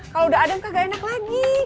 kalau udah adem kagak enak lagi